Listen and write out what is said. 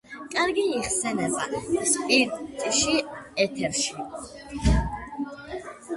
კარგად იხსნება სპირტში, ეთერში.